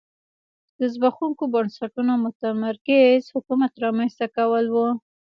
د زبېښونکو بنسټونو او متمرکز حکومت رامنځته کول و